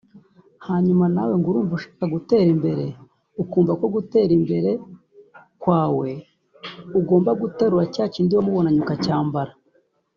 hanyuma nawe ngo urumva ushaka gutera imbere ukumva ko gutera imbere kwawe ugomba guterura cya kindi wamubonanye ukacyambara